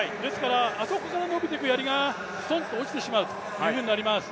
そこから伸びていくやりがすとんと落ちてしまうというふうになります。